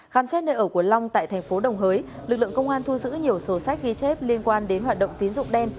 khám xét nơi ở của long tại tp đồng hới lực lượng công an thu giữ nhiều số sách ghi chép liên quan đến hoạt động tín dụng đen